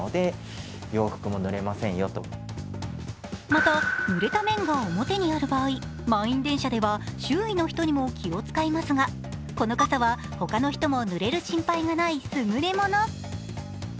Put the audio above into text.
また、ぬれた面が表にある場合、満員電車では周囲の人にも気を使いますがこの傘は他の人もぬれる心配がないすぐれもの。